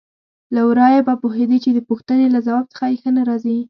له ورايه به پوهېدې چې د پوښتنې له ځواب څخه یې ښه نه راځي.